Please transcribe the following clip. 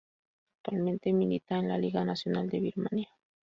Actualmente milita en la Liga Nacional de Birmania.